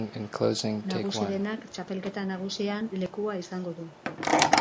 Nagusi denak txapelketa nagusian lekua izango du.